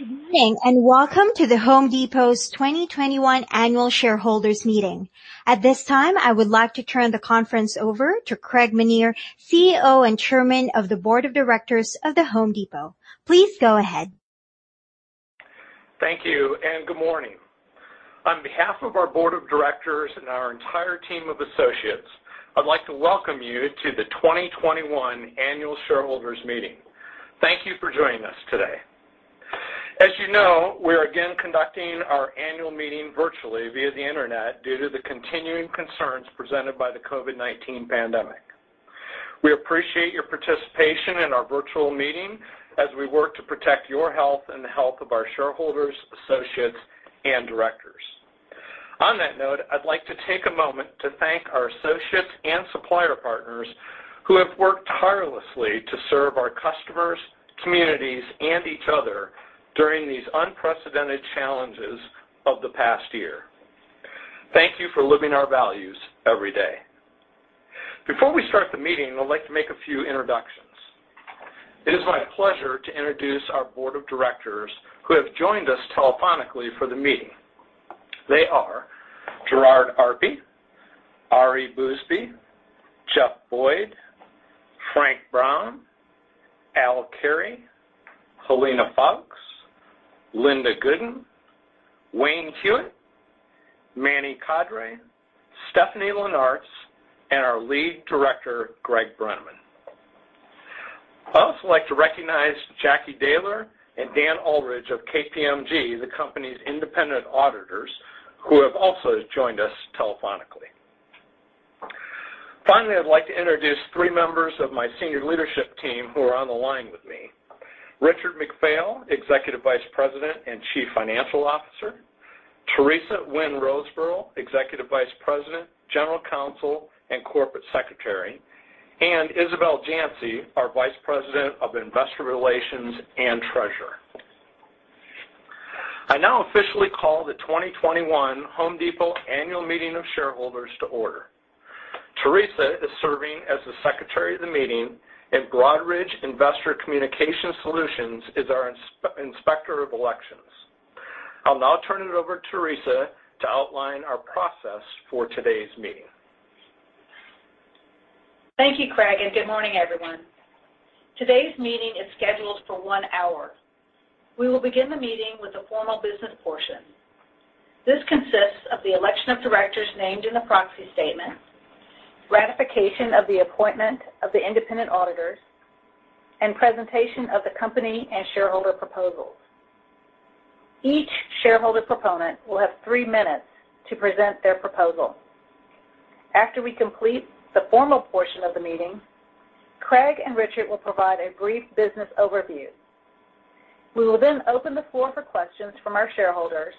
Good evening, and welcome to The Home Depot's 2021 Annual Shareholders Meeting. At this time, I would like to turn the conference over to Craig Menear, CEO and Chairman of the Board of Directors of The Home Depot. Please go ahead. Thank you, and good morning. On behalf of our board of directors and our entire team of associates, I'd like to welcome you to the 2021 annual shareholders meeting. Thank you for joining us today. As you know, we are again conducting our annual meeting virtually via the internet due to the continuing concerns presented by the COVID-19 pandemic. We appreciate your participation in our virtual meeting as we work to protect your health and the health of our shareholders, associates, and directors. On that note, I'd like to take a moment to thank our associates and supplier partners who have worked tirelessly to serve our customers, communities, and each other during these unprecedented challenges of the past year. Thank you for living our values every day. Before we start the meeting, I'd like to make a few introductions. It is my pleasure to introduce our board of directors who have joined us telephonically for the meeting. They are Gerard Arpey, Ari Bousbib, Jeff Boyd, Frank Brown, Al Carey, Helena Foulkes, Linda Gooden, Wayne Hewett, Manuel Kadre, Stephanie Linnartz, and our lead director, Greg Brenneman. I'd also like to recognize Jackie Daylor and Dan Aldridge of KPMG, the company's independent auditors, who have also joined us telephonically. Finally, I'd like to introduce three members of my senior leadership team who are on the line with me: Richard McPhail, Executive Vice President and Chief Financial Officer, Teresa Wynn Roseborough, Executive Vice President, General Counsel, and Corporate Secretary, and Isabel Janci, our Vice President of Investor Relations and Treasurer. I now officially call the 2021 The Home Depot Annual Meeting of Shareholders to order. Teresa is serving as the secretary of the meeting, and Broadridge Investor Communication Solutions is our inspector of elections. I'll now turn it over to Teresa to outline our process for today's meeting. Thank you, Craig, and good morning, everyone. Today's meeting is scheduled for one hour. We will begin the meeting with the formal business portion. This consists of the election of directors named in the proxy statement, ratification of the appointment of the independent auditors, and presentation of the company and shareholder proposals. Each shareholder proponent will have three minutes to present their proposal. After we complete the formal portion of the meeting, Craig and Richard will provide a brief business overview. We will then open the floor for questions from our shareholders,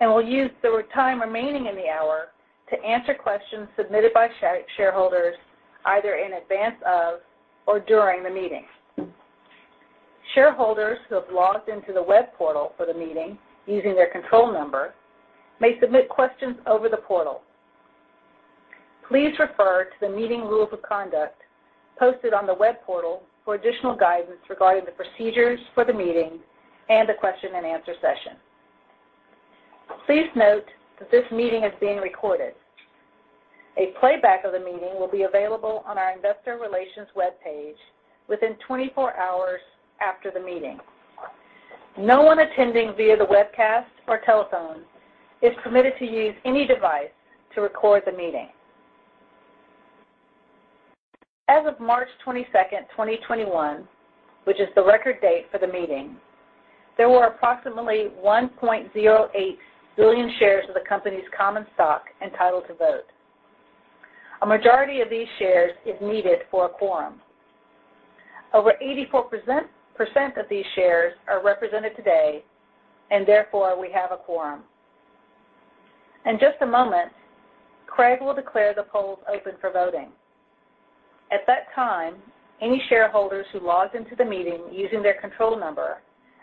and we'll use the time remaining in the hour to answer questions submitted by shareholders either in advance of or during the meeting. Shareholders who have logged into the web portal for the meeting using their control number may submit questions over the portal. Please refer to the meeting rules of conduct posted on the web portal for additional guidance regarding the procedures for the meeting and the question and answer session. Please note that this meeting is being recorded. A playback of the meeting will be available on our investor relations webpage within 24 hours after the meeting. No one attending via the webcast or telephone is permitted to use any device to record the meeting. As of March 22nd, 2021, which is the record date for the meeting, there were approximately 1.08 billion shares of the company's common stock entitled to vote. A majority of these shares is needed for a quorum. Over 84% of these shares are represented today, and therefore, we have a quorum. In just a moment, Craig will declare the polls open for voting. At that time, any shareholders who logged into the meeting using their control number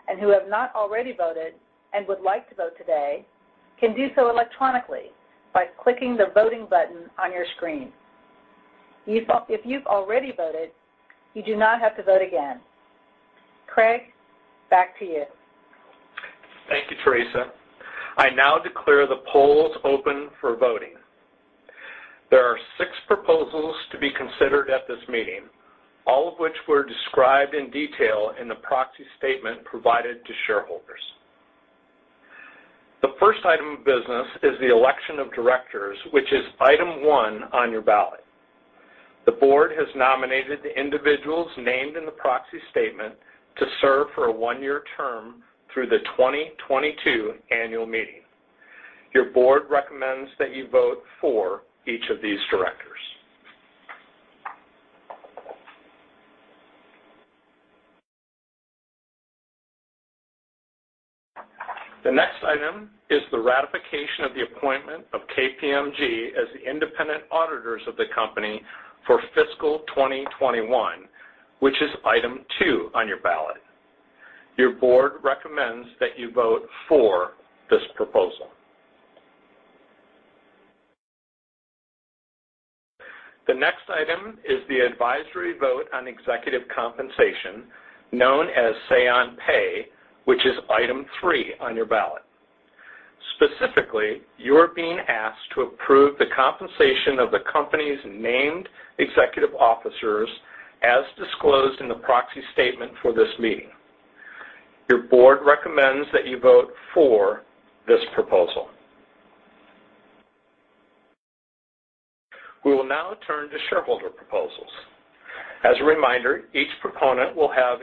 and who have not already voted and would like to vote today can do so electronically by clicking the Voting button on your screen. If you've already voted, you do not have to vote again. Craig, back to you. Thank you, Teresa. I now declare the polls open for voting. There are six proposals to be considered at this meeting, all of which were described in detail in the proxy statement provided to shareholders. The first item of business is the election of directors, which is item one on your ballot. The board has nominated the individuals named in the proxy statement to serve for a one-year term through the 2022 annual meeting. Your board recommends that you vote for each of these directors. The next item is the ratification of the appointment of KPMG as the independent auditors of the company for fiscal 2021, which is item two on your ballot. Your board recommends that you vote for this proposal. The next item is the advisory vote on executive compensation, known as Say on Pay, which is item three on your ballot. Specifically, you are being asked to approve the compensation of the company's named executive officers as disclosed in the proxy statement for this meeting. Your board recommends that you vote for this proposal. We will now turn to shareholder proposals. As a reminder, each proponent will have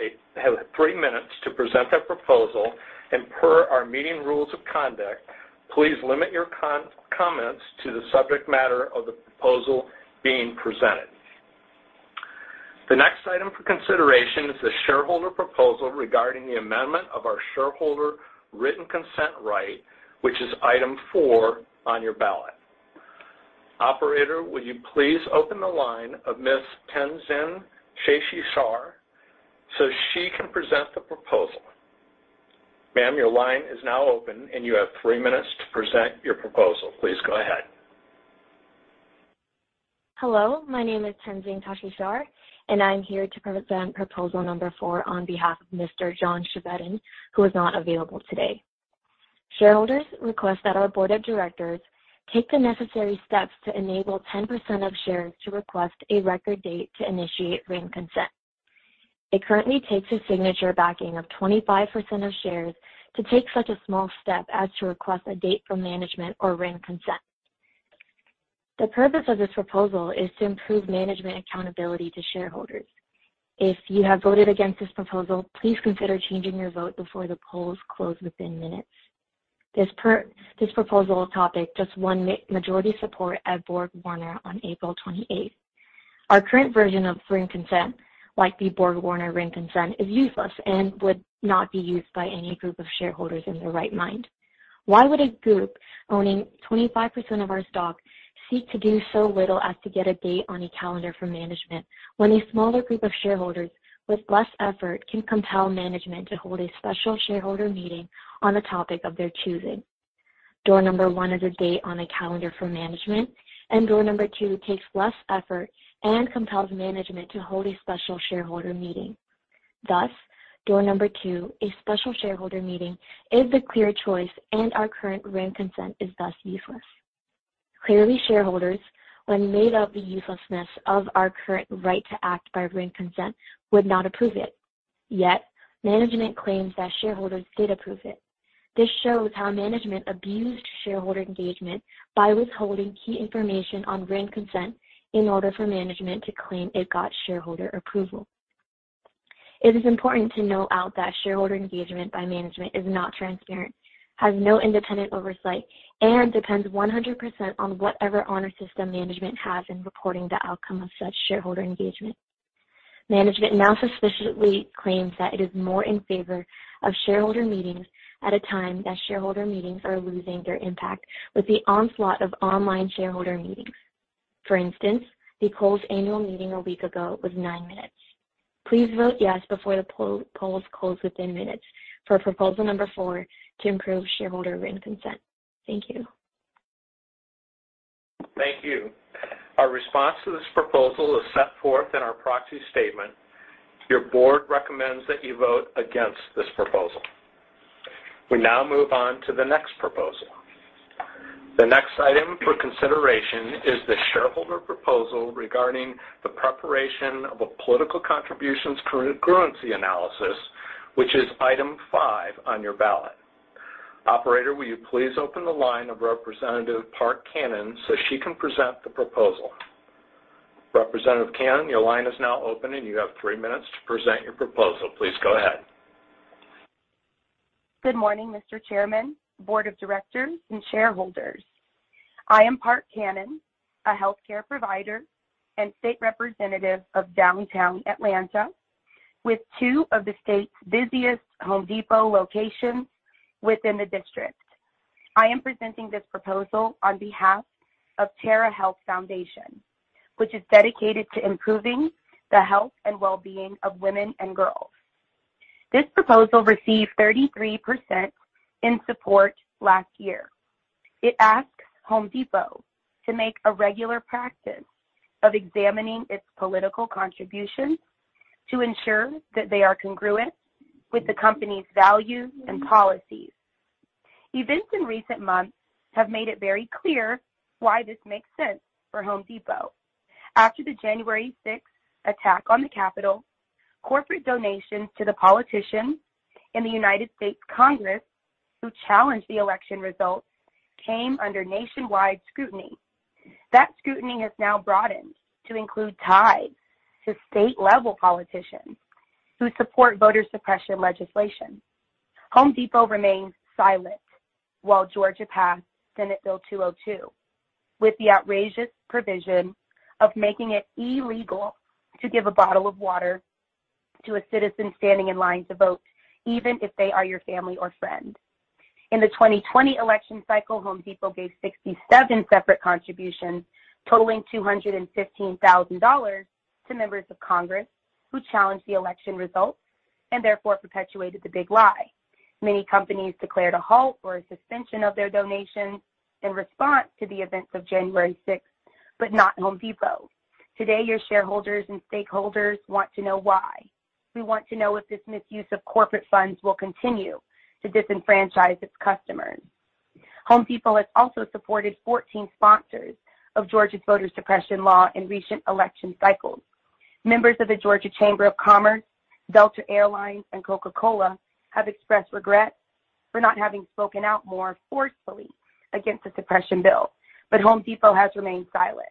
three minutes to present their proposal, and per our meeting rules of conduct, please limit your comments to the subject matter of the proposal being presented. The next item for consideration is the shareholder proposal regarding the amendment of our shareholder written consent right, which is item four on your ballot. Operator, will you please open the line of Ms. Tenzin Cheshi Shar so she can present the proposal. Ma'am, your line is now open, and you have three minutes to present your proposal. Please go ahead. Hello, my name is Tenzin Cheshi Shar, and I'm here to present proposal number four on behalf of Mr. John Chevedden, who is not available today. Shareholders request that our board of directors take the necessary steps to enable 10% of shares to request a record date to initiate written consent. It currently takes a signature backing of 25% of shares to take such a small step as to request a date from management or written consent. The purpose of this proposal is to improve management accountability to shareholders. If you have voted against this proposal, please consider changing your vote before the polls close within minutes. This proposal topic just won majority support at BorgWarner on April 28th. Our current version of written consent, like the BorgWarner written consent, is useless and would not be used by any group of shareholders in their right mind. Why would a group owning 25% of our stock seek to do so little as to get a date on a calendar from management when a smaller group of shareholders with less effort can compel management to hold a special shareholder meeting on a topic of their choosing? Door number one is a date on a calendar from management, and door number two takes less effort and compels management to hold a special shareholder meeting. Thus, door number two, a special shareholder meeting, is the clear choice and our current written consent is thus useless. Clearly, shareholders, when laid out the uselessness of our current right to act by written consent, would not approve it. Yet, management claims that shareholders did approve it. This shows how management abused shareholder engagement by withholding key information on written consent in order for management to claim it got shareholder approval. It is important to note out that shareholder engagement by management is not transparent, has no independent oversight, and depends 100% on whatever honor system management has in reporting the outcome of such shareholder engagement. Management now suspiciously claims that it is more in favor of shareholder meetings at a time that shareholder meetings are losing their impact with the onslaught of online shareholder meetings. For instance, the Kohl's annual meeting a week ago was nine minutes. Please vote yes before the polls close within minutes for proposal number four to improve shareholder written consent. Thank you. Thank you. Our response to this proposal is set forth in our proxy statement. Your board recommends that you vote against this proposal. We now move on to the next proposal. The next item for consideration is the shareholder proposal regarding the preparation of a political contributions congruency analysis, which is item five on your ballot. Operator, will you please open the line of Representative Park Cannon so she can present the proposal. Representative Cannon, your line is now open, and you have three minutes to present your proposal. Please go ahead. Good morning, Mr. Chairman, board of directors, and shareholders. I am Park Cannon, a healthcare provider and state representative of downtown Atlanta with two of the state's busiest Home Depot locations within the district. I am presenting this proposal on behalf of Tara Health Foundation, which is dedicated to improving the health and well-being of women and girls. This proposal received 33% in support last year. It asks Home Depot to make a regular practice of examining its political contributions to ensure that they are congruent with the company's values and policies. Events in recent months have made it very clear why this makes sense for Home Depot. After the January 6th attack on the Capitol, corporate donations to the politicians in the United States Congress who challenged the election results came under nationwide scrutiny. That scrutiny has now broadened to include ties to state-level politicians who support voter suppression legislation. The Home Depot remained silent while Georgia passed Senate Bill 202 with the outrageous provision of making it illegal to give a bottle of water to a citizen standing in line to vote, even if they are your family or friends. In the 2020 election cycle, The Home Depot gave 67 separate contributions totaling $215,000 to members of Congress who challenged the election results and therefore perpetuated the big lie. Many companies declared a halt or a suspension of their donations in response to the events of January 6th, but not Home Depot. Today, your shareholders and stakeholders want to know why. We want to know if this misuse of corporate funds will continue to disenfranchise its customers. Home Depot has also supported 14 sponsors of Georgia's voter suppression law in recent election cycles. Members of the Georgia Chamber of Commerce, Delta Air Lines, and Coca-Cola have expressed regret for not having spoken out more forcefully against the suppression bill, but Home Depot has remained silent.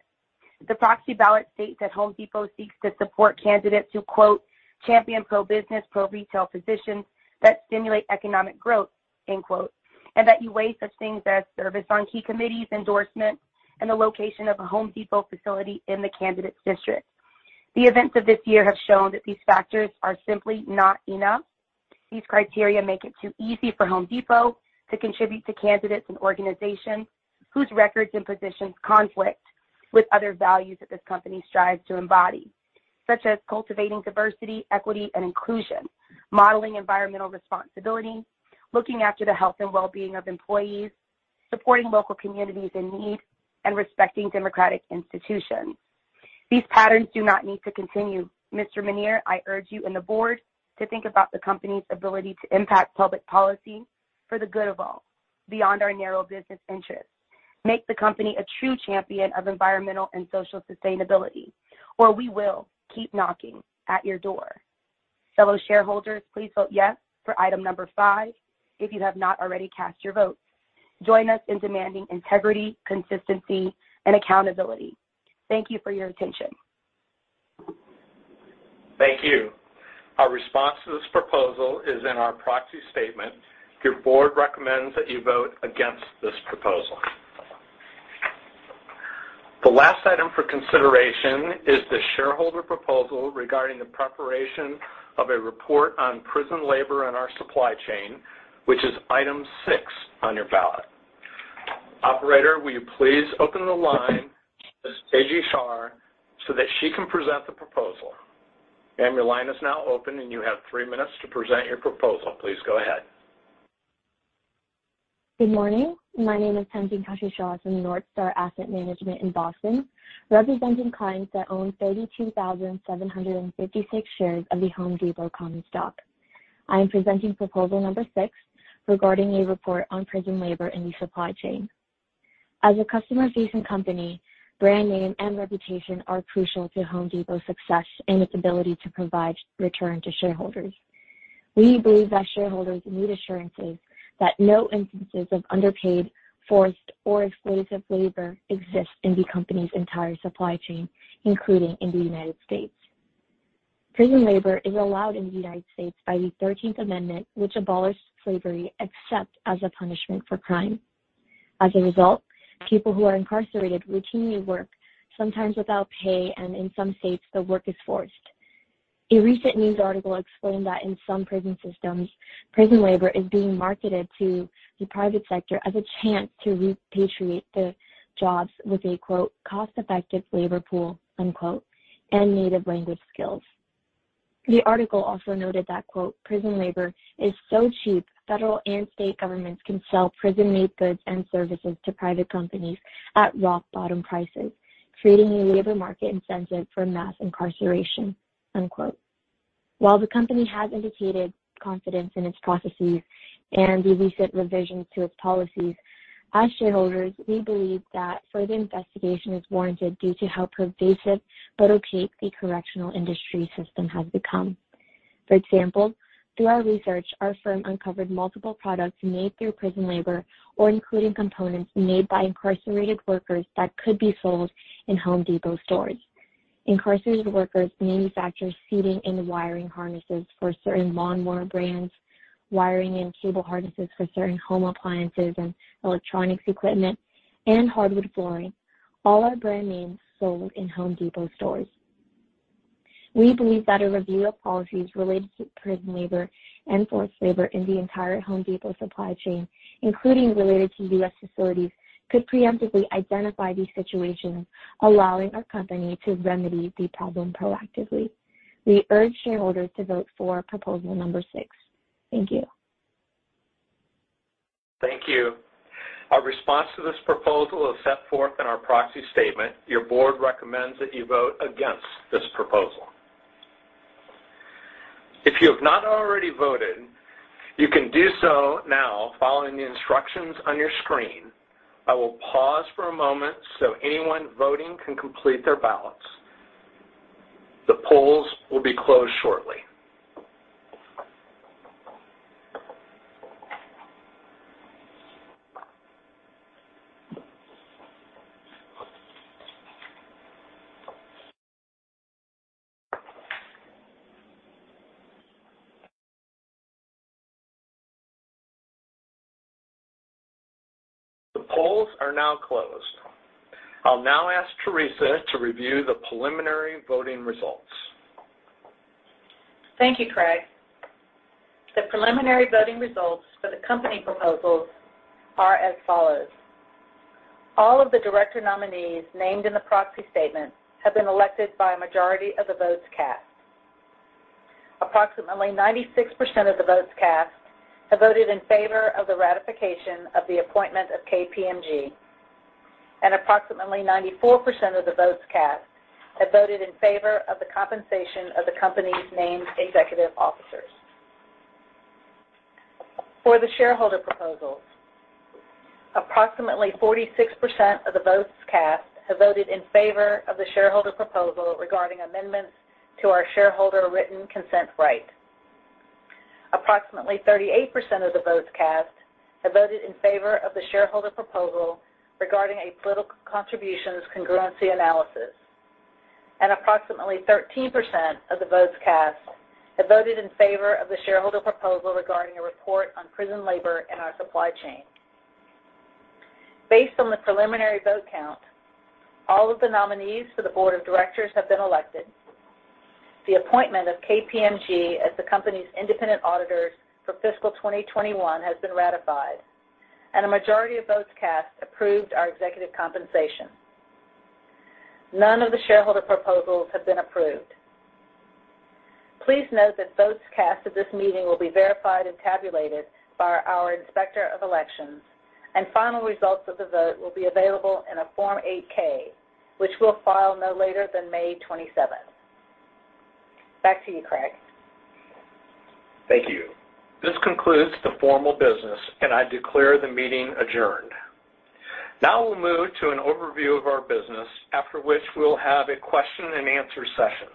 The proxy ballot states that Home Depot seeks to support candidates who, quote, "champion pro-business, pro-retail positions that stimulate economic growth," end quote, and that you weigh such things as service on key committees, endorsements, and the location of a Home Depot facility in the candidate's district. The events of this year have shown that these factors are simply not enough. These criteria make it too easy for The Home Depot to contribute to candidates and organizations whose records and positions conflict with other values that this company strives to embody, such as cultivating diversity, equity, and inclusion, modeling environmental responsibility, looking after the health and well-being of employees, supporting local communities in need, and respecting democratic institutions. These patterns do not need to continue. Mr. Menear, I urge you and the board to think about the company's ability to impact public policy for the good of all beyond our narrow business interests. Make the company a true champion of environmental and social sustainability, or we will keep knocking at your door. Fellow shareholders, please vote yes for item number five if you have not already cast your votes. Join us in demanding integrity, consistency, and accountability. Thank you for your attention. Thank you. Our response to this proposal is in our proxy statement. Your board recommends that you vote against this proposal. The last item for consideration is the shareholder proposal regarding the preparation of a report on prison labor in our supply chain, which is item six on your ballot. Operator, will you please open the line to Ms. Tanvi Shah so that she can present the proposal? Ma'am, your line is now open, and you have three minutes to present your proposal. Please go ahead. Good morning. My name is Tanvi Pasha Shah from NorthStar Asset Management in Boston, representing clients that own 32,756 shares of The Home Depot common stock. I am presenting proposal number six regarding a report on prison labor in the supply chain. As a customer-facing company, brand name and reputation are crucial to Home Depot's success and its ability to provide return to shareholders. We believe that shareholders need assurances that no instances of underpaid, forced, or enslavement labor exist in the company's entire supply chain, including in the U.S. Prison labor is allowed in the U.S. by the 13th Amendment, which abolishes slavery except as a punishment for crime. As a result, people who are incarcerated routinely work, sometimes without pay, and in some states, the work is forced. A recent news article explained that in some prison systems, prison labor is being marketed to the private sector as a chance to repatriate the jobs with a, quote, "cost-effective labor pool," unquote, and native language skills. The article also noted that, quote, "Prison labor is so cheap, federal and state governments can sell prison-made goods and services to private companies at rock-bottom prices, creating a labor market incentive for mass incarceration," unquote. While the company has indicated confidence in its processes and recent revisions to its policies, as shareholders, we believe that further investigation is warranted due to how pervasive, but opaque the correctional industry system has become. For example, through our research, our firm uncovered multiple products made through prison labor or including components made by incarcerated workers that could be sold in Home Depot stores. Incarcerated workers manufacture seating and wiring harnesses for certain lawnmower brands, wiring and cable harnesses for certain home appliances and electronics equipment, and hardwood flooring. All are brand names sold in The Home Depot stores. We believe that a review of policies related to prison labor and forced labor in the entire The Home Depot supply chain, including related to U.S. facilities, could preemptively identify these situations, allowing our company to remedy the problem proactively. We urge shareholders to vote for proposal number six. Thank you. Thank you. Our response to this proposal is set forth in our proxy statement. Your board recommends that you vote against this proposal. If you have not already voted, you can do so now following the instructions on your screen. I will pause for a moment so anyone voting can complete their ballots. The polls will be closed shortly. The polls are now closed. I'll now ask Teresa to review the preliminary voting results. Thank you, Craig. The preliminary voting results for the company proposals are as follows. All of the director nominees named in the proxy statement have been elected by a majority of the votes cast. Approximately 96% of the votes cast have voted in favor of the ratification of the appointment of KPMG, and approximately 94% of the votes cast have voted in favor of the compensation of the company's named executive officers. For the shareholder proposals, approximately 46% of the votes cast have voted in favor of the shareholder proposal regarding amendments to our shareholder written consent rights. Approximately 38% of the votes cast have voted in favor of the shareholder proposal regarding a political contributions congruency analysis. Approximately 13% of the votes cast have voted in favor of the shareholder proposal regarding a report on prison labor in our supply chain. Based on the preliminary vote count, all of the nominees for the board of directors have been elected. The appointment of KPMG as the company's independent auditors for fiscal 2021 has been ratified, and a majority of votes cast approved our executive compensation. None of the shareholder proposals have been approved. Please note that votes cast at this meeting will be verified and tabulated by our Inspector of Elections, and final results of the vote will be available in a Form 8-K, which we'll file no later than May 27th. Back to you, Craig. Thank you. This concludes the formal business, and I declare the meeting adjourned. Now we'll move to an overview of our business, after which we'll have a question and answer session.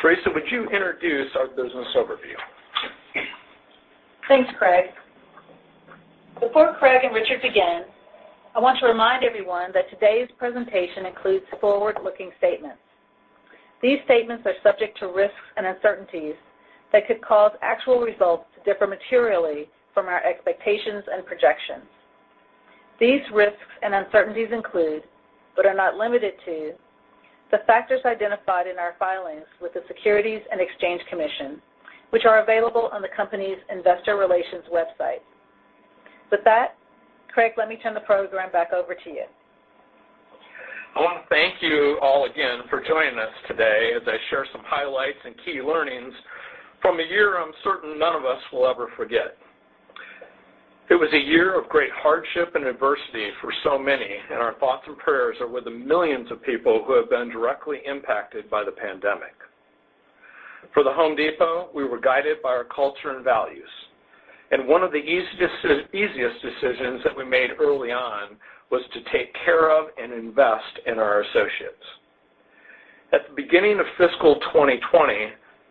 Teresa, would you introduce our business overview? Thanks, Craig. Before Craig and Richard begin, I want to remind everyone that today's presentation includes forward-looking statements. These statements are subject to risks and uncertainties that could cause actual results to differ materially from our expectations and projections. These risks and uncertainties include, but are not limited to, the factors identified in our filings with the Securities and Exchange Commission, which are available on the company's investor relations website. With that, Craig, let me turn the program back over to you. I want to thank you all again for joining us today as I share some highlights and key learnings from a year I'm certain none of us will ever forget. It was a year of great hardship and adversity for so many, and our thoughts and prayers are with the millions of people who have been directly impacted by the pandemic. For The Home Depot, we were guided by our culture and values, and one of the easiest decisions that we made early on was to take care of and invest in our associates. At the beginning of fiscal 2020,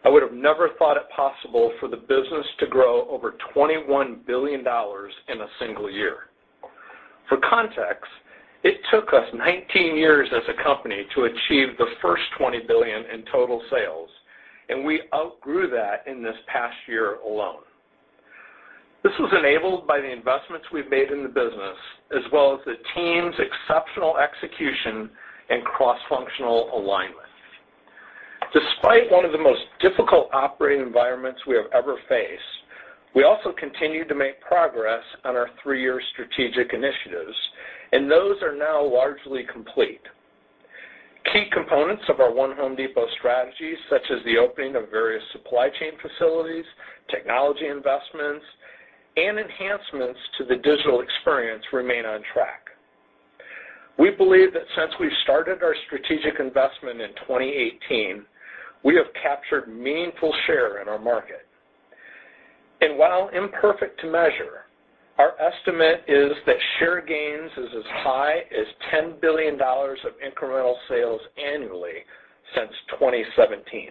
I would have never thought it possible for the business to grow over $21 billion in a single year. For context, it took us 19 years as a company to achieve the first $20 billion in total sales, and we outgrew that in this past year alone. This was enabled by the investments we've made in the business as well as the team's exceptional execution and cross-functional alignment. Despite one of the most difficult operating environments we have ever faced, we also continued to make progress on our three-year strategic initiatives, and those are now largely complete. Key components of our One Home Depot strategy, such as the opening of various supply chain facilities, technology investments, and enhancements to the digital experience remain on track. We believe that since we started our strategic investment in 2018, we have captured meaningful share in our market. While imperfect to measure, our estimate is that share gains is as high as $10 billion of incremental sales annually since 2017.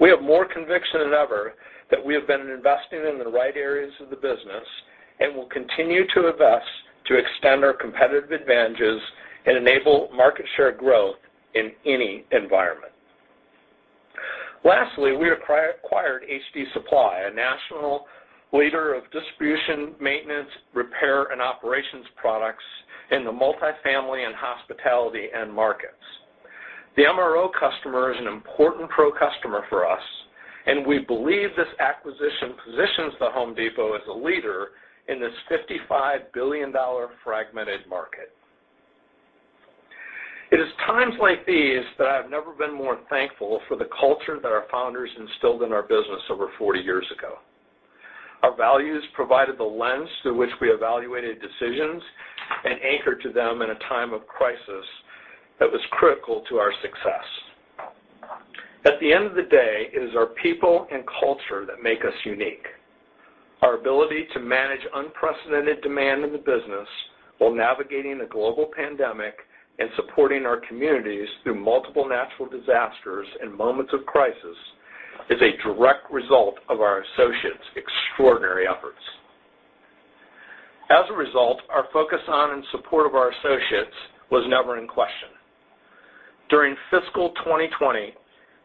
We have more conviction than ever that we have been investing in the right areas of the business and will continue to invest to extend our competitive advantages and enable market share growth in any environment. Lastly, we acquired HD Supply, a national leader of distribution, maintenance, repair, and operations products in the multifamily and hospitality end markets. The MRO customer is an important pro customer for us, and we believe this acquisition positions The Home Depot as a leader in this $55 billion fragmented market. It is times like these that I've never been more thankful for the culture that our founders instilled in our business over 40 years ago. Our values provided the lens through which we evaluated decisions and anchored to them in a time of crisis that was critical to our success. At the end of the day, it is our people and culture that make us unique. Our ability to manage unprecedented demand in the business while navigating a global pandemic and supporting our communities through multiple natural disasters and moments of crisis is a direct result of our associates' extraordinary efforts. As a result, our focus on and support of our associates was never in question. During fiscal 2020,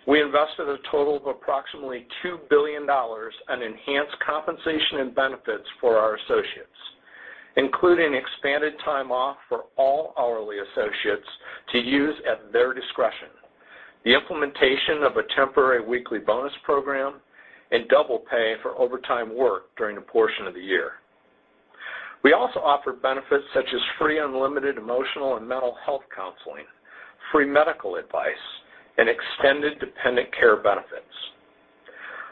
we invested a total of approximately $2 billion in enhanced compensation and benefits for our associates, including expanded time off for all hourly associates to use at their discretion, the implementation of a temporary weekly bonus program and double pay for overtime work during a portion of the year. We also offer benefits such as free unlimited emotional and mental health counseling, free medical advice, and extended dependent care benefits.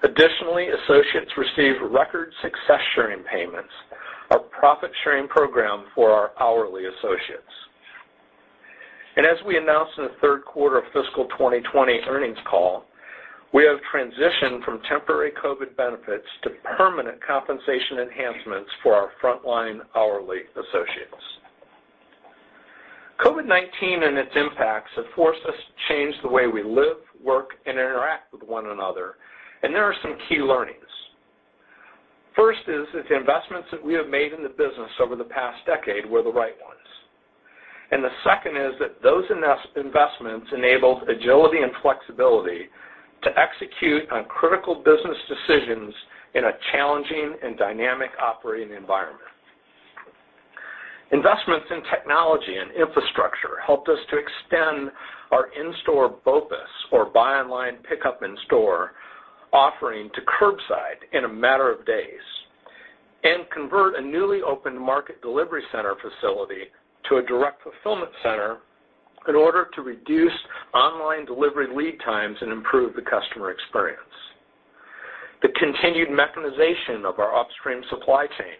Additionally, associates receive record success sharing payments, our profit-sharing program for our hourly associates. As we announced in the third quarter of fiscal 2020 earnings call, we have transitioned from temporary COVID benefits to permanent compensation enhancements for our frontline hourly associates. COVID-19 and its impacts have forced us to change the way we live, work, and interact with one another, and there are some key learnings. First is that the investments that we have made in the business over the past decade were the right ones, and the second is that those investments enabled agility and flexibility to execute on critical business decisions in a challenging and dynamic operating environment. Investments in technology and infrastructure helped us to extend our in-store BOPUS, or buy online pickup in store, offering to curbside in a matter of days and convert a newly opened market delivery center facility to a direct fulfillment center in order to reduce online delivery lead times and improve the customer experience. The continued mechanization of our upstream supply chain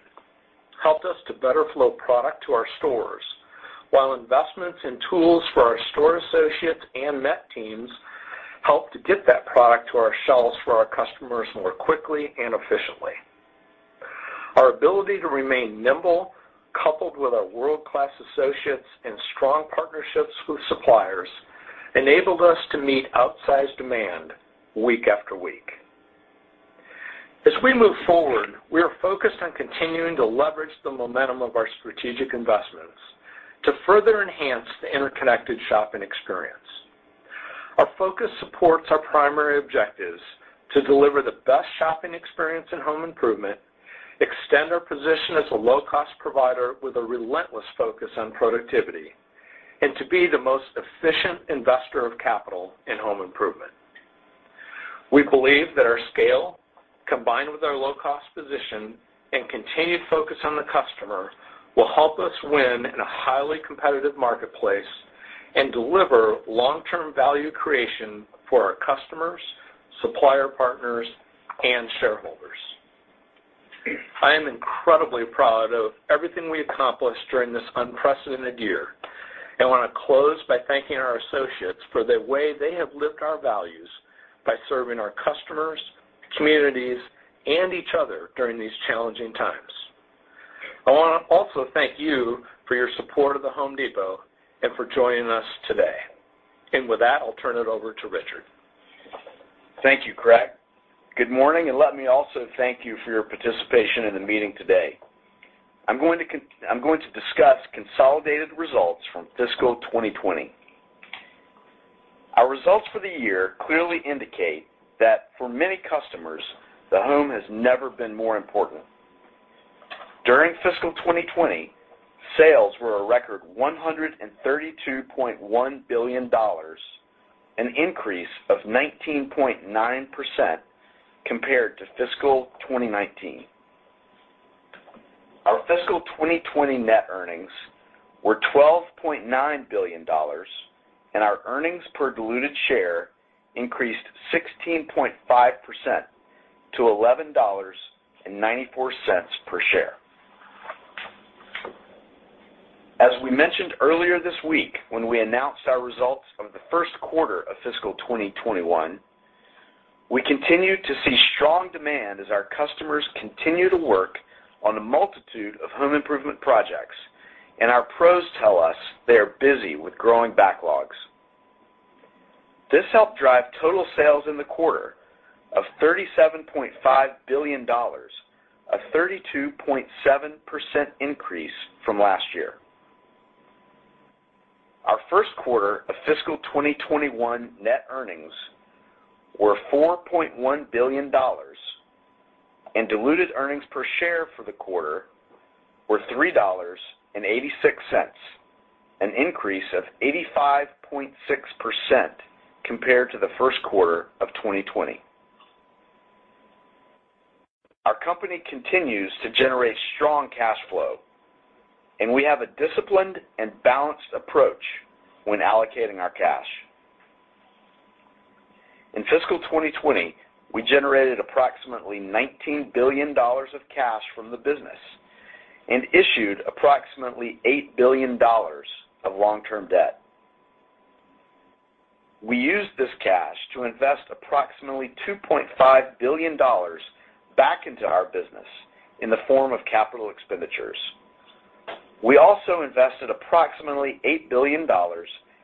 helped us to better flow product to our stores, while investments in tools for our store associates and MET teams helped to get that product to our shelves for our customers more quickly and efficiently. Our ability to remain nimble, coupled with our world-class associates and strong partnerships with suppliers, enabled us to meet outsized demand week after week. As we move forward, we are focused on continuing to leverage the momentum of our strategic investments to further enhance the interconnected shopping experience. Our focus supports our primary objectives to deliver the best shopping experience in home improvement, extend our position as a low-cost provider with a relentless focus on productivity, and to be the most efficient investor of capital in home improvement. We believe that our scale, combined with our low-cost position and continued focus on the customer, will help us win in a highly competitive marketplace and deliver long-term value creation for our customers, supplier partners, and shareholders. I am incredibly proud of everything we accomplished during this unprecedented year and want to close by thanking our associates for the way they have lived our values by serving our customers, communities, and each other during these challenging times. I want to also thank you for your support of The Home Depot and for joining us today. With that, I'll turn it over to Richard. Thank you, Craig. Good morning, and let me also thank you for your participation in the meeting today. I'm going to discuss consolidated results from fiscal 2020. Our results for the year clearly indicate that for many customers, the home has never been more important. During fiscal 2020, sales were a record $132.1 billion, an increase of 19.9% compared to fiscal 2019. Our fiscal 2020 net earnings were $12.9 billion, and our earnings per diluted share increased 16.5% to $11.94 per share. As we mentioned earlier this week when we announced our results for the first quarter of fiscal 2021, we continue to see strong demand as our customers continue to work on a multitude of home improvement projects, and our pros tell us they are busy with growing backlogs. This helped drive total sales in the quarter of $37.5 billion, a 32.7% increase from last year. Our first quarter of fiscal 2021 net earnings were $4.1 billion, diluted earnings per share for the quarter were $3.86, an increase of 85.6% compared to the first quarter of 2020. Our company continues to generate strong cash flow, we have a disciplined and balanced approach when allocating our cash. In fiscal 2020, we generated approximately $19 billion of cash from the business and issued approximately $8 billion of long-term debt. We used this cash to invest approximately $2.5 billion back into our business in the form of capital expenditures. We also invested approximately $8 billion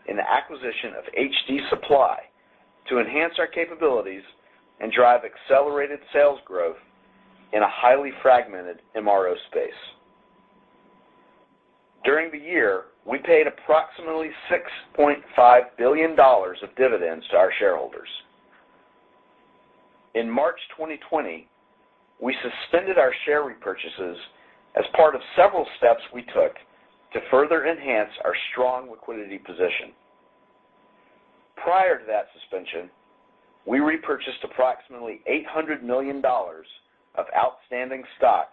in the acquisition of HD Supply to enhance our capabilities and drive accelerated sales growth in a highly fragmented MRO space. During the year, we paid approximately $6.5 billion of dividends to our shareholders. In March 2020, we suspended our share repurchases as part of several steps we took to further enhance our strong liquidity position. Prior to that suspension, we repurchased approximately $800 million of outstanding stock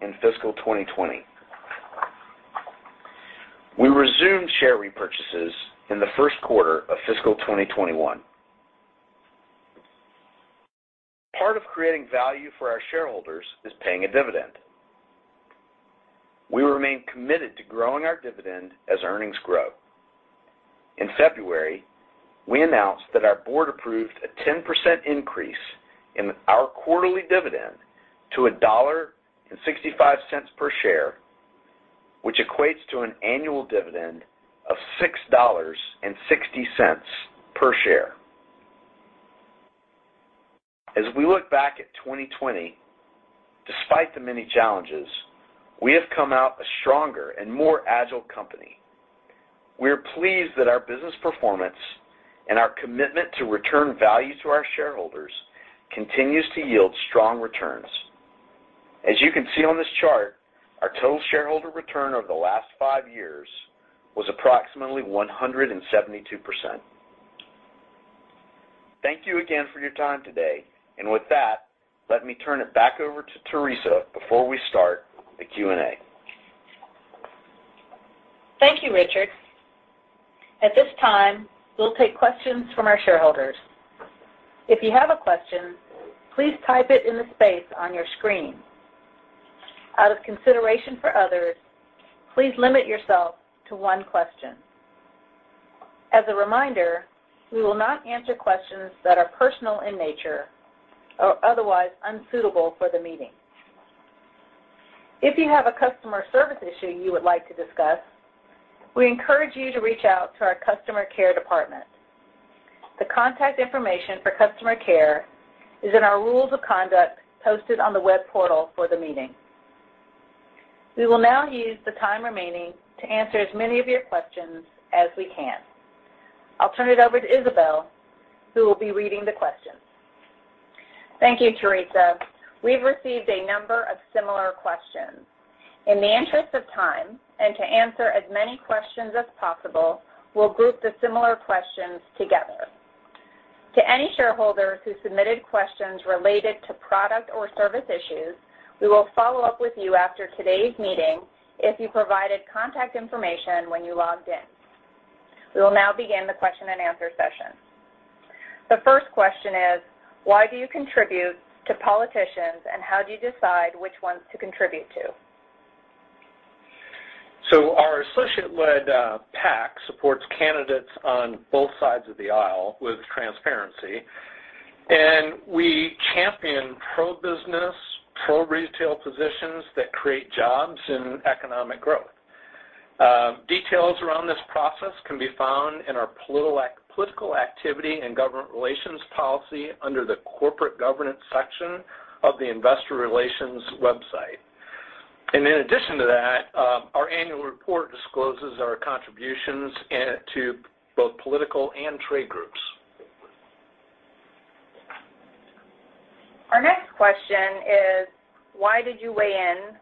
in fiscal 2020. We resumed share repurchases in the first quarter of fiscal 2021. Part of creating value for our shareholders is paying a dividend. We remain committed to growing our dividend as earnings grow. In February, we announced that our board approved a 10% increase in our quarterly dividend to $1.65 per share, which equates to an annual dividend of $6.60 per share. As we look back at 2020, despite the many challenges, we have come out a stronger and more agile company. We are pleased that our business performance and our commitment to return value to our shareholders continues to yield strong returns. As you can see on this chart, our total shareholder return over the last five years was approximately 172%. Thank you again for your time today. With that, let me turn it back over to Teresa before we start the Q&A. Thank you, Richard. At this time, we'll take questions from our shareholders. If you have a question, please type it in the space on your screen. Out of consideration for others, please limit yourself to one question. As a reminder, we will not answer questions that are personal in nature or otherwise unsuitable for the meeting. If you have a customer service issue you would like to discuss, we encourage you to reach out to our customer care department. The contact information for customer care is in our rules of conduct posted on the web portal for the meeting. We will now use the time remaining to answer as many of your questions as we can. I'll turn it over to Isabel, who will be reading the questions. Thank you, Teresa. We've received a number of similar questions. In the interest of time and to answer as many questions as possible, we'll group the similar questions together. To any shareholders who submitted questions related to product or service issues, we will follow up with you after today's meeting if you provided contact information when you logged in. We will now begin the question and answer session. The first question is, "Why do you contribute to politicians, and how do you decide which ones to contribute to? Our associate-led PAC supports candidates on both sides of the aisle with transparency, and we champion pro-business, pro-retail positions that create jobs and economic growth. Details around this process can be found in our political activity and government relations policy under the corporate governance section of the investor relations website. In addition to that, our annual report discloses our contributions to both political and trade groups. Our next question is, "Why did you weigh in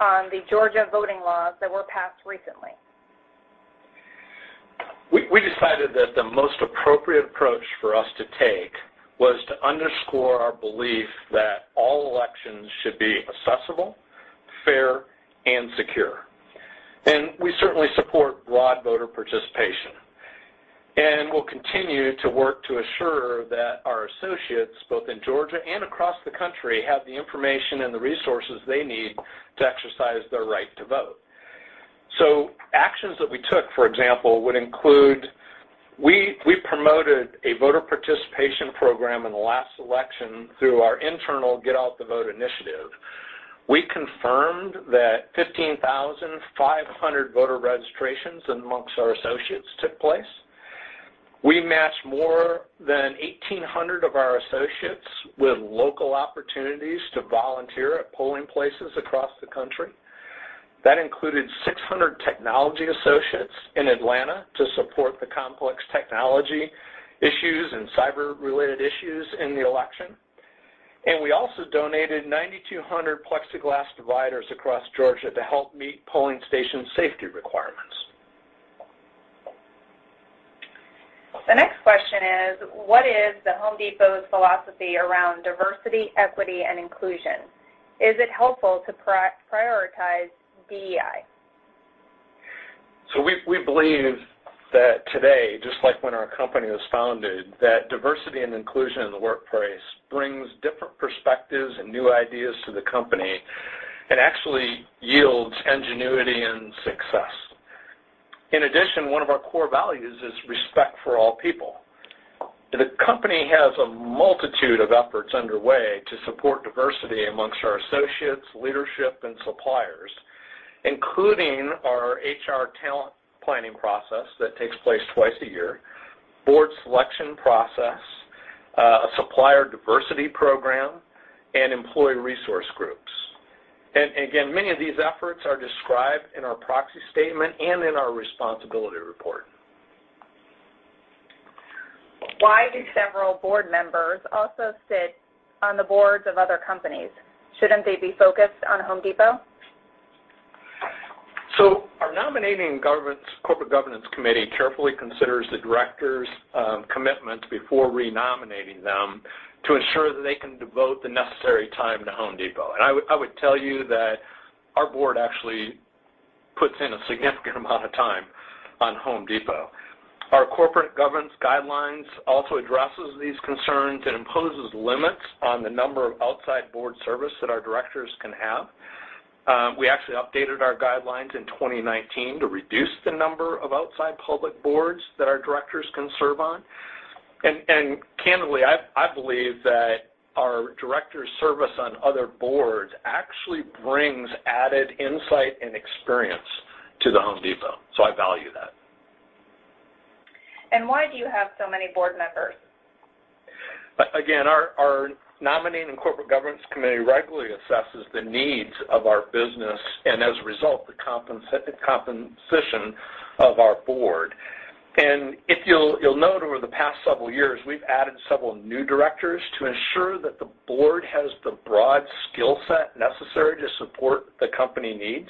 on the Georgia voting laws that were passed recently? We decided that the most appropriate approach for us to take was to underscore our belief that all elections should be accessible, fair, and secure. We certainly support broad voter participation and will continue to work to assure that our associates, both in Georgia and across the country, have the information and the resources they need to exercise their right to vote. Actions that we took, for example, would include, we promoted a voter participation program in the last election through our internal Get Out the Vote initiative. We confirmed that 15,500 voter registrations amongst our associates took place. We matched more than 1,800 of our associates with local opportunities to volunteer at polling places across the country. That included 600 technology associates in Atlanta to support the complex technology issues and cyber-related issues in the election. We also donated 9,200 plexiglass dividers across Georgia to help meet polling station safety requirements. The next question is, "What is The Home Depot's philosophy around diversity, equity, and inclusion? Is it helpful to prioritize DEI? We believe that today, just like when our company was founded, that diversity and inclusion in the workplace brings different perspectives and new ideas to the company and actually yields ingenuity and success. In addition, one of our core values is respect for all people. The company has a multitude of efforts underway to support diversity amongst our associates, leadership, and suppliers, including our HR talent planning process that takes place twice a year, board selection process, supplier diversity program, and employee resource groups. Again, many of these efforts are described in our proxy statement and in our responsibility report. Why do several board members also sit on the boards of other companies? Shouldn't they be focused on The Home Depot? Our nominating corporate governance committee carefully considers the directors' commitments before re-nominating them to ensure that they can devote the necessary time to The Home Depot. I would tell you that our board actually puts in a significant amount of time on The Home Depot. Our corporate governance guidelines also address these concerns and impose limits on the number of outside board services that our directors can have. We actually updated our guidelines in 2019 to reduce the number of outside public boards that our directors can serve on. Candidly, I believe that our directors' service on other boards actually brings added insight and experience to The Home Depot, so I value that. Why do you have so many board members? Our nominating and corporate governance committee regularly assesses the needs of our business and, as a result, the composition of our board. You'll note over the past several years, we've added several new directors to ensure that the board has the broad skill set necessary to support the company needs.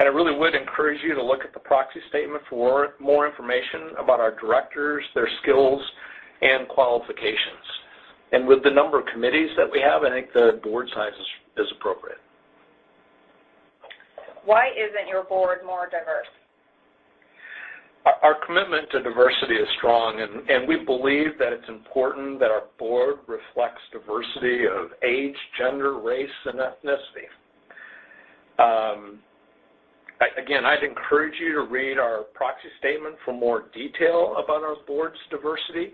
I really would encourage you to look at the proxy statement for more information about our directors, their skills, and qualifications. With the number of committees that we have, I think the board size is appropriate. Why isn't your board more diverse? Our commitment to diversity is strong, and we believe that it's important that our board reflects diversity of age, gender, race, and ethnicity. Again, I'd encourage you to read our proxy statement for more detail about our board's diversity.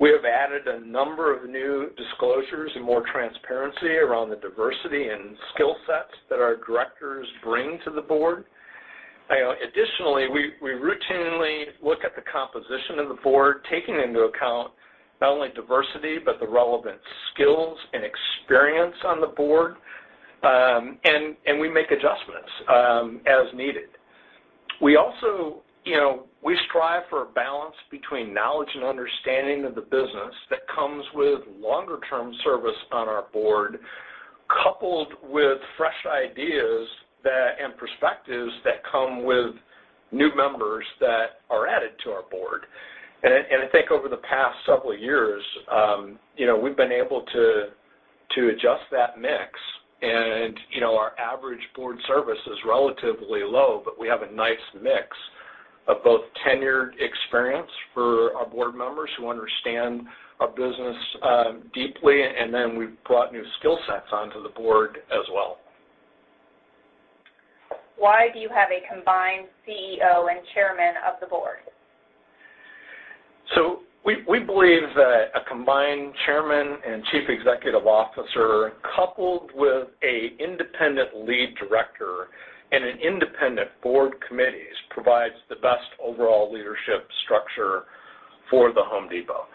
We have added a number of new disclosures and more transparency around the diversity and skill sets that our directors bring to the board. Additionally, we routinely look at the composition of the board, taking into account not only diversity, but the relevant skills and experience on the board, and we make adjustments as needed. We strive for a balance between knowledge and understanding of the business that comes with longer-term service on our board, coupled with fresh ideas and perspectives that come with new members that are added to our board. I think over the past several years, we've been able to adjust that mix. Our average board service is relatively low, but we have a nice mix of both tenured experience for our board members who understand our business deeply, and then we've brought new skill sets onto the board as well. Why do you have a combined CEO and chairman of the board? We believe that a combined Chairman and Chief Executive Officer, coupled with an independent lead director and independent board committees, provides the best overall leadership structure for The Home Depot.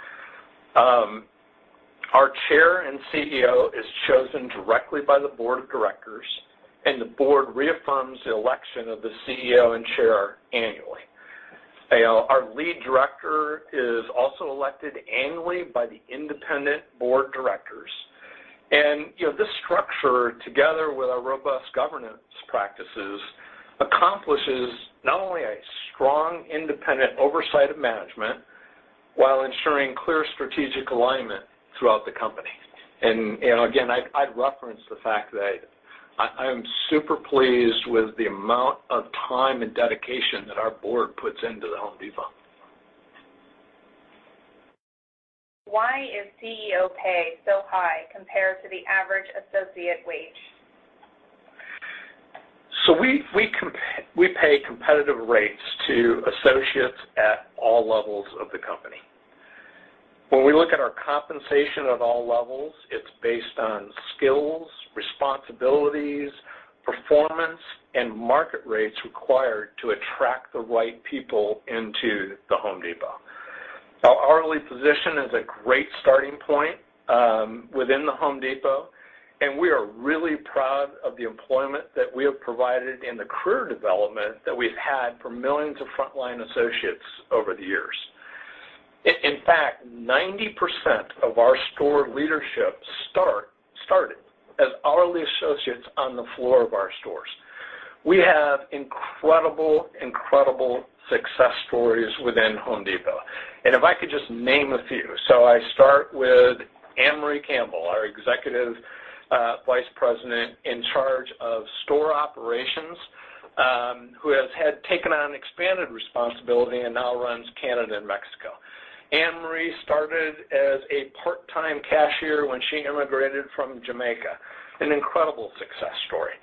Our Chair and CEO is chosen directly by the board of directors, and the board reaffirms the election of the CEO and Chair annually. Our lead director is also elected annually by the independent board directors. This structure, together with our robust governance practices, accomplishes not only a strong independent oversight of management while ensuring clear strategic alignment throughout the company. Again, I'd reference the fact that I'm super pleased with the amount of time and dedication that our board puts into The Home Depot. Why is CEO pay so high compared to the average associate wage? We pay competitive rates to associates at all levels of the company. When we look at our compensation at all levels, it's based on skills, responsibilities, performance, and market rates required to attract the right people into The Home Depot. Our hourly position is a great starting point within The Home Depot, and we are really proud of the employment that we have provided and the career development that we've had for millions of frontline associates over the years. In fact, 90% of our store leadership started as hourly associates on the floor of our stores. We have incredible success stories within The Home Depot. If I could just name a few. I start with Ann-Marie Campbell, our Executive Vice President in charge of store operations, who has taken on expanded responsibility and now runs Canada and Mexico. Ann-Marie started as a part-time cashier when she immigrated from Jamaica, an incredible success story.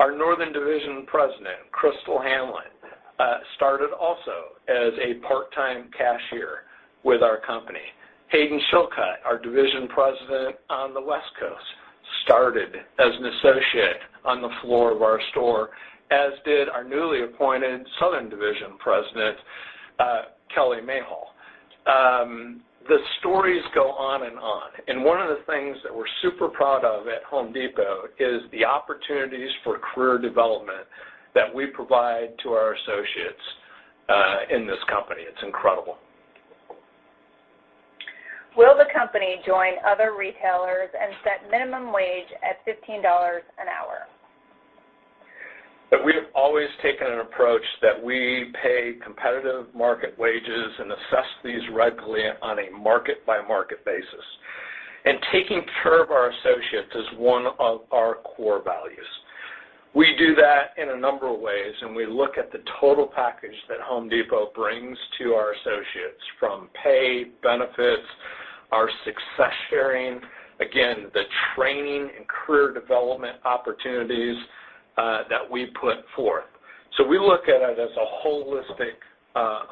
Our Northern Division President, Crystal Hanlon, started also as a part-time cashier with our company. Haydn Chilcott, our division president on the West Coast, started as an associate on the floor of our store, as did our newly appointed southern division president, Kelly Mayhall. The stories go on and on. One of the things that we're super proud of at Home Depot is the opportunities for career development that we provide to our associates in this company. It's incredible. Will the company join other retailers and set minimum wage at $15 an hour? We have always taken an approach that we pay competitive market wages and assess these regularly on a market-by-market basis. Taking care of our associates is one of our core values. We do that in a number of ways, and we look at the total package that Home Depot brings to our associates from pay, benefits, our success sharing, again, the training and career development opportunities that we put forth. We look at it as a holistic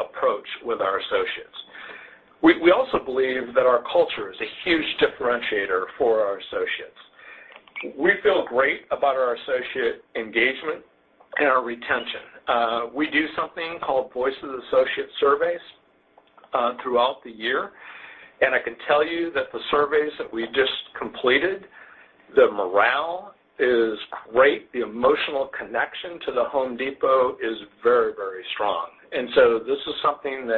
approach with our associates. We also believe that our culture is a huge differentiator for our associates. We feel great about our associate engagement and our retention. We do something called Voices Associate Surveys throughout the year, and I can tell you that the surveys that we just completed, the morale is great. The emotional connection to the Home Depot is very, very strong. This is something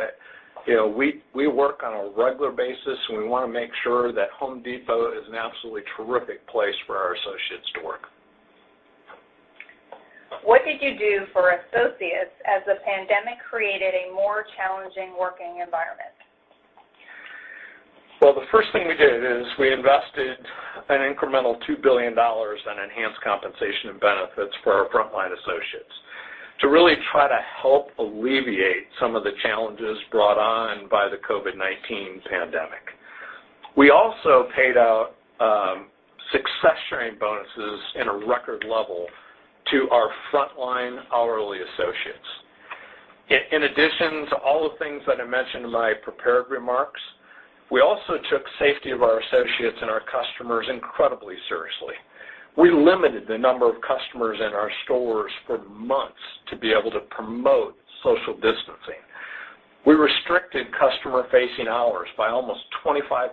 that we work on a regular basis, and we want to make sure that The Home Depot is an absolutely terrific place for our associates to work. What did you do for associates as the pandemic created a more challenging working environment? Well, the first thing we did is we invested an incremental $2 billion in enhanced compensation and benefits for our frontline associates to really try to help alleviate some of the challenges brought on by the COVID-19 pandemic. We also paid out Success Sharing bonuses in a record level to our frontline hourly associates. In addition to all the things that I mentioned in my prepared remarks, we also took safety of our associates and our customers incredibly seriously. We limited the number of customers in our stores for months to be able to promote social distancing. We restricted customer-facing hours by almost 25%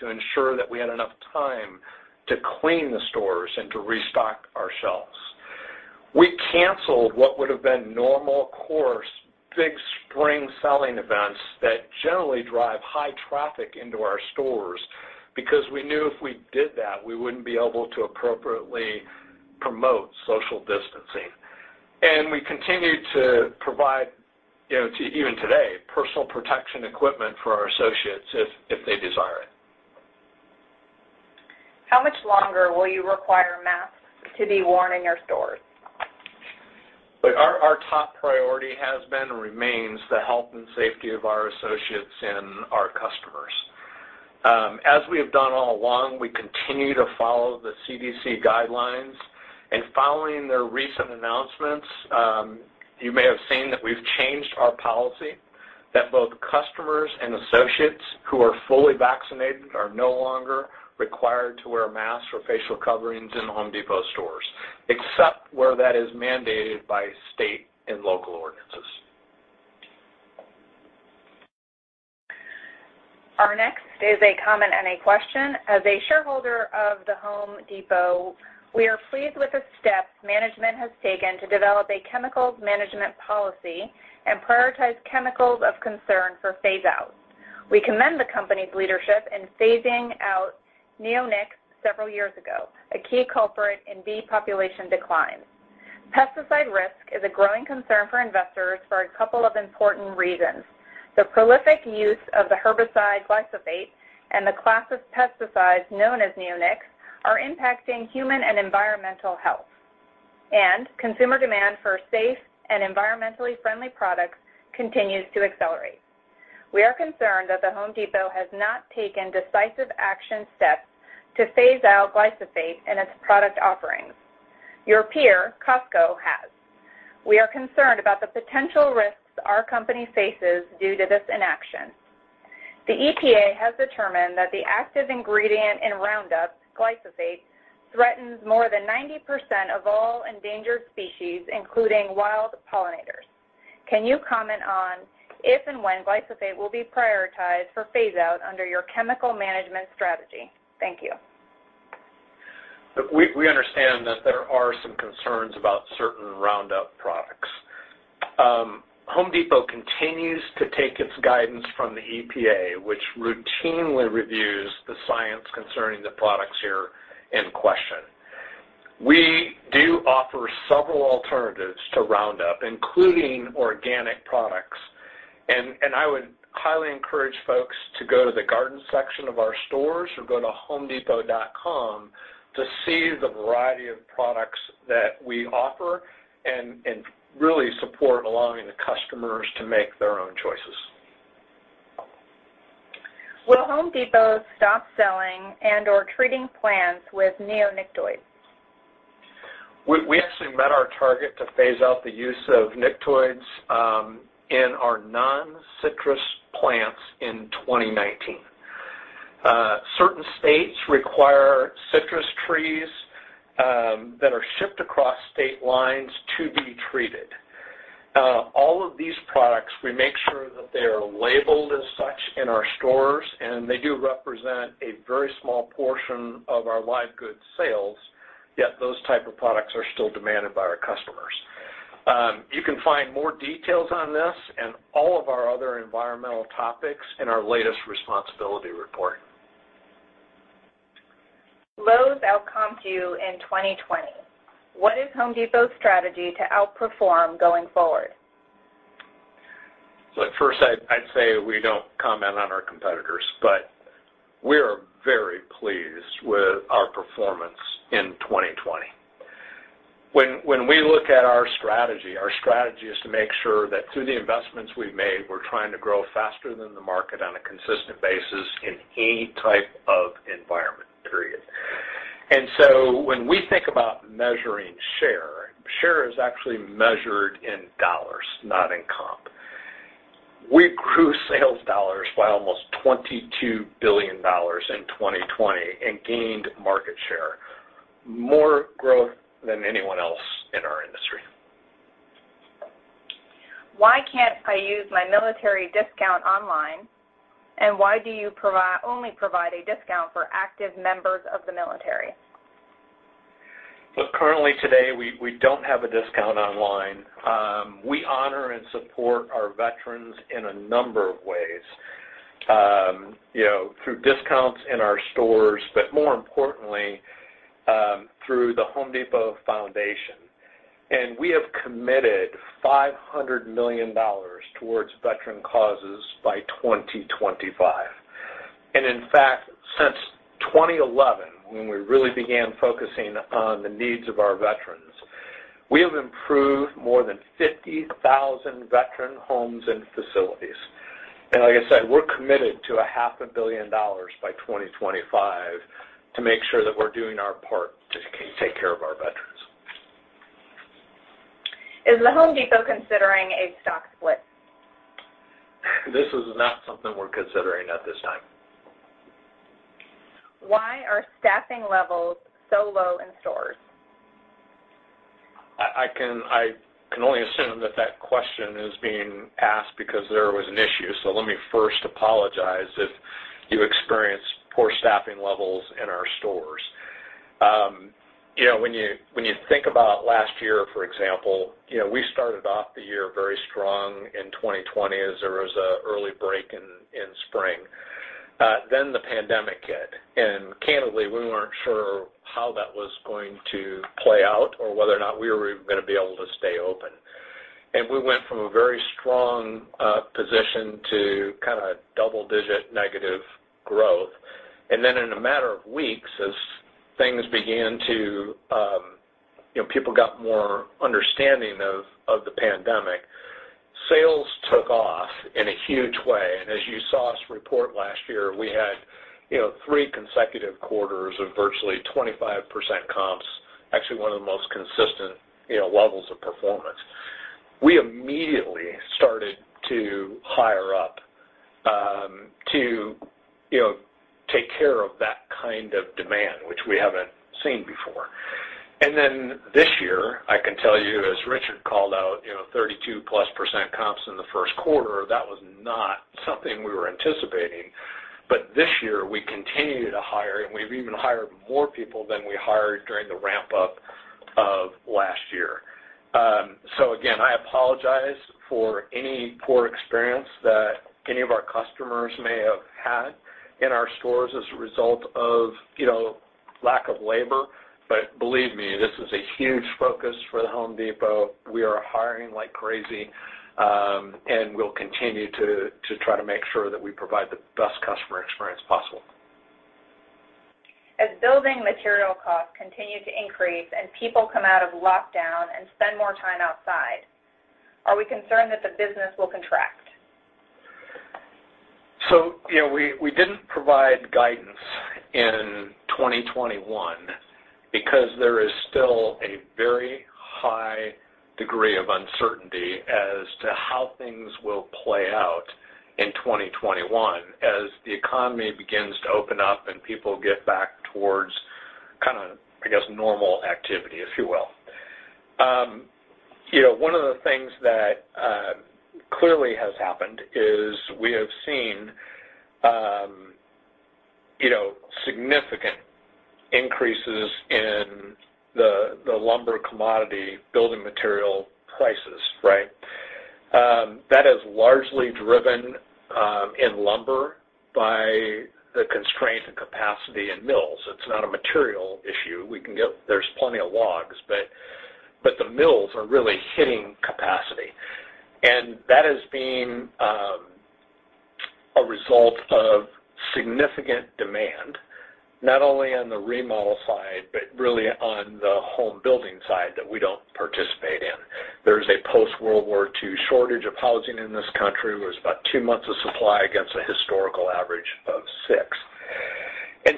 to ensure that we had enough time to clean the stores and to restock our shelves. We canceled what would've been normal course, big spring selling events that generally drive high traffic into our stores because we knew if we did that, we wouldn't be able to appropriately promote social distancing. We continue to provide, even today, personal protection equipment for our associates if they desire it. How much longer will you require masks to be worn in your stores? Look, our top priority has been and remains the health and safety of our associates and our customers. As we have done all along, we continue to follow the CDC guidelines. Following their recent announcements, you may have seen that we've changed our policy that both customers and associates who are fully vaccinated are no longer required to wear masks or facial coverings in Home Depot stores, except where that is mandated by state and local ordinances. Our next is a comment and a question. As a shareholder of The Home Depot, we are pleased with the steps management has taken to develop a chemicals management policy and prioritize chemicals of concern for phase outs. We commend the company's leadership in phasing out neonics several years ago, a key culprit in bee population declines. Pesticide risk is a growing concern for investors for a couple of important reasons. The prolific use of the herbicide glyphosate and the class of pesticides known as neonics are impacting human and environmental health. Consumer demand for safe and environmentally friendly products continues to accelerate. We are concerned that The Home Depot has not taken decisive action steps to phase out glyphosate in its product offerings. Your peer, Costco, has. We are concerned about the potential risks our company faces due to this inaction. The EPA has determined that the active ingredient in Roundup, glyphosate, threatens more than 90% of all endangered species, including wild pollinators. Can you comment on if and when glyphosate will be prioritized for phase out under your chemical management strategy? Thank you. Look, we understand that there are some concerns about certain Roundup products. The Home Depot continues to take its guidance from the EPA, which routinely reviews the science concerning the products here in question. We do offer several alternatives to Roundup, including organic products. I would highly encourage folks to go to the garden section of our stores or go to homedepot.com to see the variety of products that we offer and really support allowing the customers to make their own choices. Will Home Depot stop selling and/or treating plants with neonicotinoids? We actually met our target to phase out the use of neonicotinoids in our non-citrus plants in 2019. Certain states require citrus trees that are shipped across state lines to be treated. All of these products, we make sure that they are labeled as such in our stores, and they do represent a very small portion of our live goods sales, yet those type of products are still demanded by our customers. You can find more details on this and all of our other environmental topics in our latest responsibility report. Lowe's outcomped you in 2020. What is Home Depot's strategy to outperform going forward? Look, first, I'd say we don't comment on our competitors, but we are very pleased with our performance in 2020. When we look at our strategy, our strategy is to make sure that through the investments we've made, we're trying to grow faster than the market on a consistent basis in any type of environment, period. When we think about measuring share is actually measured in dollars, not in comp. We grew sales dollars by almost $22 billion in 2020 and gained market share, more growth than anyone else in our industry. Why can't I use my military discount online, and why do you only provide a discount for active members of the military? Look, currently today, we don't have a discount online. We honor and support our veterans in a number of ways, through discounts in our stores, but more importantly, through The Home Depot Foundation. We have committed $500 million towards veteran causes by 2025. In fact, since 2011, when we really began focusing on the needs of our veterans, we have improved more than 50,000 veteran homes and facilities. Like I said, we're committed to a half a billion dollars by 2025 to make sure that we're doing our part to take care of our veterans. Is The Home Depot considering a stock split? This is not something we're considering at this time. Why are staffing levels so low in stores? I can only assume that question is being asked because there was an issue, let me first apologize if you experienced poor staffing levels in our stores. When you think about last year, for example, we started off the year very strong in 2020 as there was an early break in spring. The pandemic hit, and candidly, we weren't sure how that was going to play out or whether or not we were even going to be able to stay open. We went from a very strong position to kind of double-digit negative growth. In a matter of weeks, as people got more understanding of the pandemic, sales took off in a huge way. As you saw us report last year, we had three consecutive quarters of virtually 25% comps, actually one of the most consistent levels of performance. We immediately started to hire up to take care of that kind of demand, which we haven't seen before. This year, I can tell you, as Richard McPhail called out, 32% + comps in the first quarter. That was not something we were anticipating. This year, we continued to hire, and we've even hired more people than we hired during the ramp-up of last year. Again, I apologize for any poor experience that any of our customers may have had in our stores as a result of lack of labor. Believe me, this is a huge focus for The Home Depot. We are hiring like crazy, and we'll continue to try to make sure that we provide the best customer experience possible. As building material costs continue to increase and people come out of lockdown and spend more time outside, are we concerned that the business will contract? We didn't provide guidance in 2021 because there is still a very high degree of uncertainty as to how things will play out in 2021 as the economy begins to open up and people get back towards kind of, I guess, normal activity, if you will. One of the things that clearly has happened is we have seen significant increases in the lumber commodity building material prices, right? That is largely driven in lumber by the constraint in capacity in mills. It's not a material issue. There's plenty of logs, but the mills are really hitting capacity. That is being a result of significant demand, not only on the remodel side, but really on the home building side that we don't participate in. There's a post-World War II shortage of housing in this country. There was about two months of supply against a historical average of six.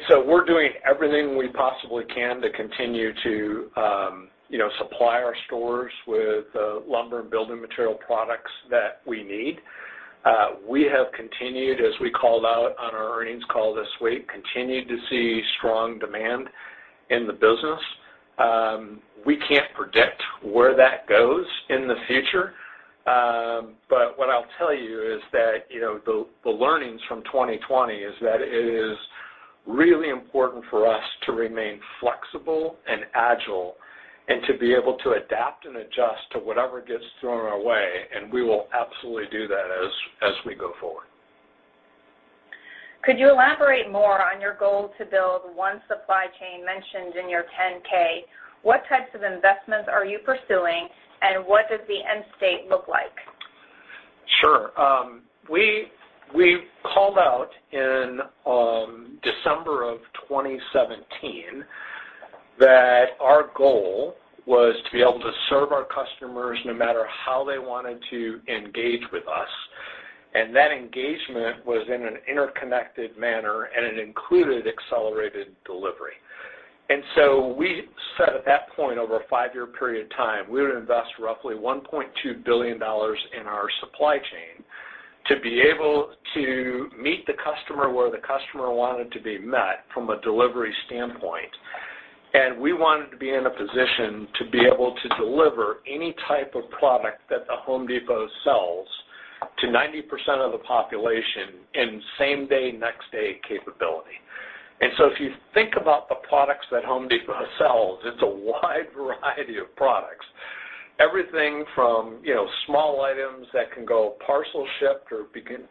So we're doing everything we possibly can to continue to supply our stores with the lumber and building material products that we need. We have continued, as we called out on our earnings call this week, continued to see strong demand in the business. We can't predict where that goes in the future. What I'll tell you is that, the learnings from 2020 is that it is really important for us to remain flexible and agile, and to be able to adapt and adjust to whatever gets thrown our way, and we will absolutely do that as we go forward. Could you elaborate more on your goal to build One Supply Chain mentioned in your 10-K? What types of investments are you pursuing, and what does the end state look like? Sure. We called out in December of 2017 that our goal was to be able to serve our customers no matter how they wanted to engage with us, and that engagement was in an interconnected manner, and it included accelerated delivery. We said at that point, over a five-year period of time, we would invest roughly $1.2 billion in our supply chain to be able to meet the customer where the customer wanted to be met from a delivery standpoint. We wanted to be in a position to be able to deliver any type of product that The Home Depot sells to 90% of the population in same-day, next-day capability. If you think about the products that The Home Depot sells, it's a wide variety of products. Everything from small items that can go parcel shipped or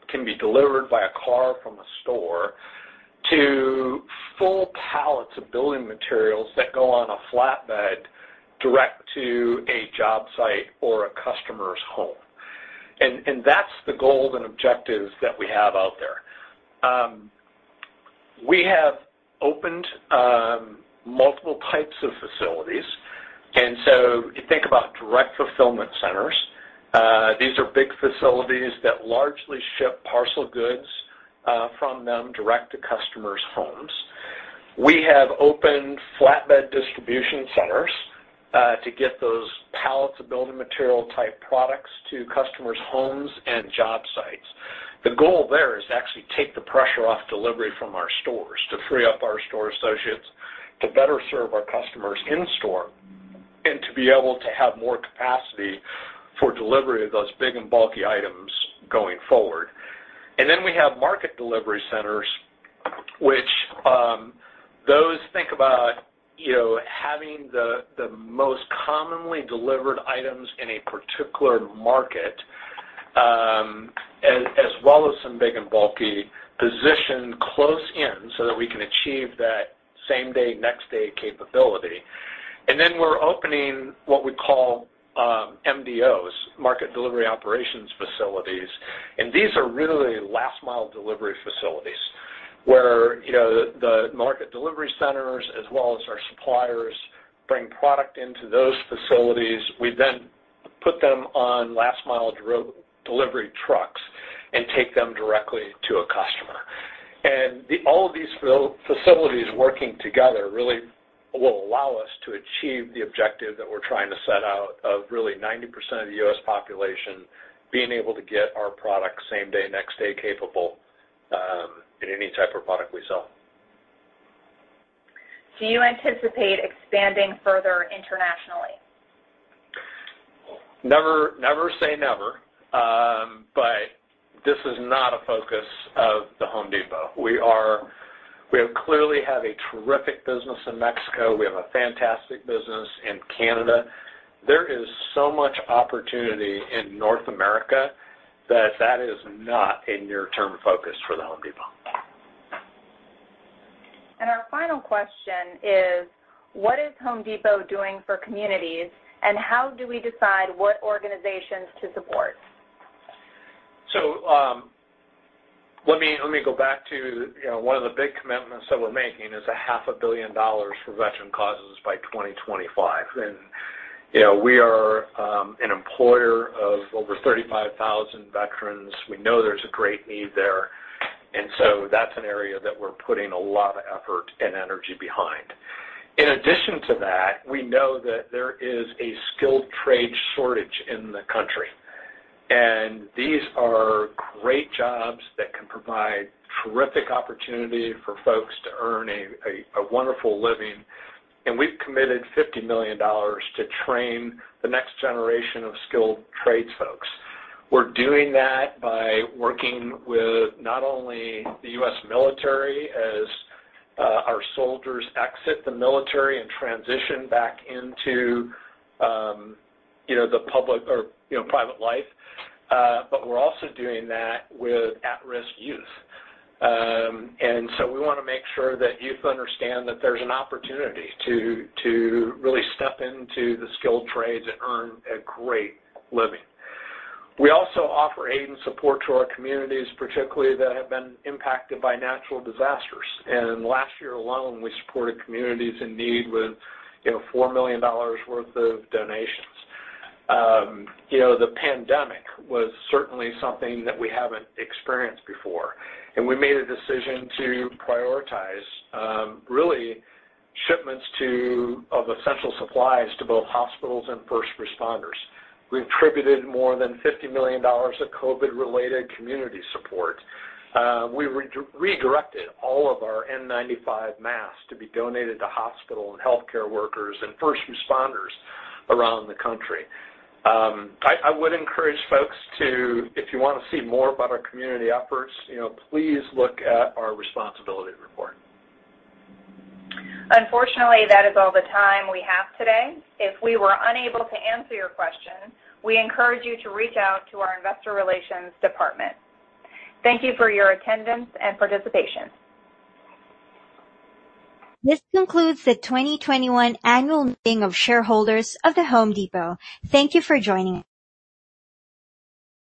can be delivered by a car from a store to full pallets of building materials that go on a flatbed direct to a job site or a customer's home. That's the goal and objectives that we have out there. We have opened multiple types of facilities, and so if you think about Direct Fulfillment Centers, these are big facilities that largely ship parcel goods from them direct to customers' homes. We have opened Flatbed Distribution Centers to get those pallets of building material type products to customers' homes and job sites. The goal there is actually take the pressure off delivery from our stores to free up our store associates to better serve our customers in store, and to be able to have more capacity for delivery of those big and bulky items going forward. We have Market DeliveryCcenters, which those think about having the most commonly delivered items in a particular market, as well as some big and bulky positioned close in so that we can achieve that same-day, next-day capability. We're opening what we call MDOs, Market Delivery Operations facilities. These are really last mile delivery facilities where the Market Delivery Centers as well as our suppliers bring product into those facilities. We then put them on last mile delivery trucks and take them directly to a customer. All of these facilities working together really will allow us to achieve the objective that we're trying to set out of really 90% of the U.S. population being able to get our product same-day, next-day capable, in any type of product we sell. Do you anticipate expanding further internationally? Never say never, but this is not a focus of The Home Depot. We have clearly had a terrific business in Mexico. We have a fantastic business in Canada. There is so much opportunity in North America that that is not a near-term focus for The Home Depot. Our final question is, what is The Home Depot doing for communities, and how do we decide what organizations to support? Let me go back to one of the big commitments that we're making is a half a billion dollars for veteran causes by 2025. We are an employer of over 35,000 veterans. We know there's a great need there. That's an area that we're putting a lot of effort and energy behind. In addition to that, we know that there is a skilled trade shortage in the country, and these are great jobs that can provide terrific opportunity for folks to earn a wonderful living. We've committed $50 million to train the next generation of skilled trades folks. We're doing that by working with not only the U.S. military as our soldiers exit the military and transition back into private life, but we're also doing that with at-risk youth. We want to make sure that youth understand that there's an opportunity to really step into the skilled trade and earn a great living. We also offer aid and support to our communities particularly that have been impacted by natural disasters. Last year alone, we supported communities in need with $4 million worth of donations. The pandemic was certainly something that we haven't experienced before, and we made a decision to prioritize, really shipments of essential supplies to both hospitals and first responders. We've contributed more than $50 million of COVID related community support. We redirected all of our N95 masks to be donated to hospital and healthcare workers and first responders around the country. I would encourage folks to, if you want to see more about our community efforts, please look at our responsibility report. Unfortunately, that is all the time we have today. If we were unable to answer your question, we encourage you to reach out to our investor relations department. Thank you for your attendance and participation. This concludes the 2021 annual meeting of shareholders of The Home Depot. Thank you for joining us.